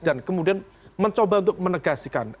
dan kemudian mencoba untuk menegasikan